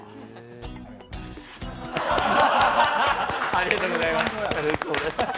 ありがとうございます。